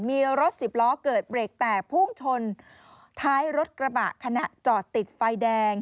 มีรถสิบล้อเกิดเบรกแตกพุ่งชนท้ายรถกระบะขณะจอดติดไฟแดง